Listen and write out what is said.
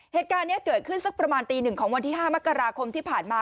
เหตุการณ์นี้เกิดขึ้นสักประมาณตีหนึ่งของวันที่๕มกราคมที่ผ่านมา